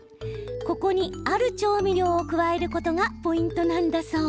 ここに、ある調味料を加えることがポイントなんだそう。